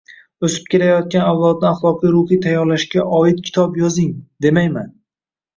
“o‘sib kelayotgan avlodni axloqiy-ruhiy tayyorlash”ga oid kitob yozing demayman.